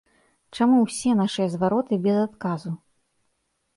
Чаму ўсе нашыя звароты без адказу?